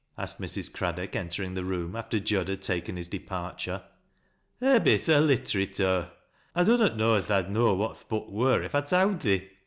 " aekei' Mrs. Craddook entering tlie room, after Jud had ^aken hii departure. "A bit o' litterytoor. I dunnot know as tha'd know what th' book wur, if I iowd thee.